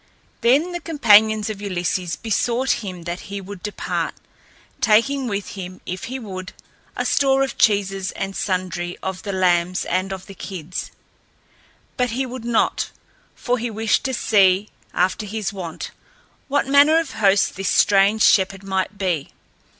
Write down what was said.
Then the companions of Ulysses besought him that he would depart, taking with him, if he would, a store of cheeses and sundry of the lambs and of the kids. But he would not, for he wished to see, after his wont, what manner of host this strange shepherd might be.